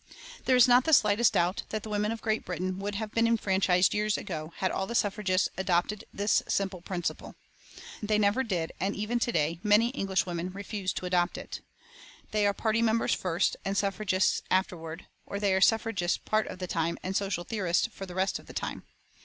There is not the slightest doubt that the women of Great Britain would have been enfranchised years ago had all the suffragists adopted this simple principle. They never did, and even to day many English women refuse to adopt it. They are party members first and suffragists afterward; or they are suffragists part of the time and social theorists the rest of the time.